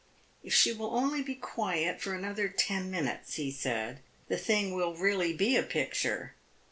"If she will only be quiet for another ten minutes," he said, "the thing will really be a picture."